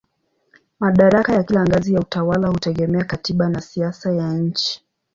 Madaraka ya kila ngazi ya utawala hutegemea katiba na siasa ya nchi.